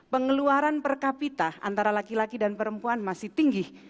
pengeluaran per kapita antara laki laki dan perempuan masih tinggi